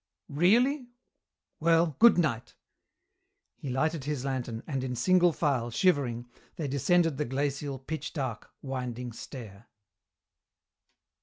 Really? Well, good night!" He lighted his lantern, and in single file, shivering, they descended the glacial, pitch dark, winding stair.